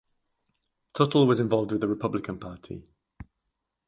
Tuttle was involved with the Republican Party.